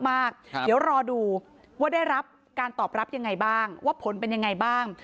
ป้าต้อก็รอดูว่าได้รับการตอบรับยังไงบ้าง